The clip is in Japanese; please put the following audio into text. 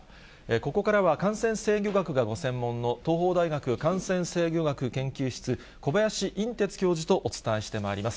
ここからは、感染制御学がご専門の東邦大学感染制御学研究室、小林寅てつ教授とお伝えしてまいります。